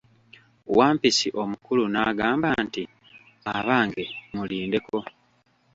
Wampisi omukulu n'agamba nti, abange, mulindeko.